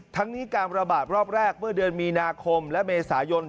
ทั้งนี้การระบาดรอบแรกเมื่อเดือนมีนาคมและเมษายน